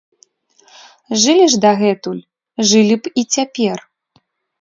Жылі ж дагэтуль, жылі б і цяпер.